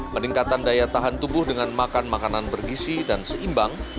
peningkatan daya tahan tubuh dengan makan makanan bergisi dan seimbang